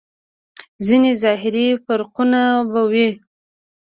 ځينې ظاهري فرقونه به وي.